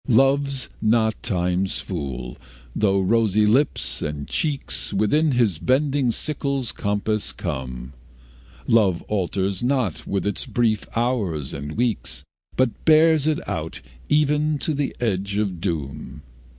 Love's not Time's fool, though rosy lips and cheeks Within his bending sickle's compass come; Love alters not with his brief hours and weeks, But bears it out even to the edge of doom.